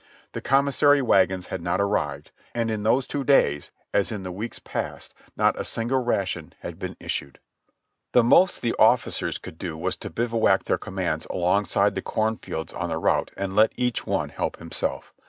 The commissary wagons had not arrived, and in those two days, as in the weeks passed, not a single ration had been issued. The most 2/0 i\ JOHNNY REB AND BILLY YANK the officers could do was to bivouac their commands alongside the corn fields on the route and let each one help himself.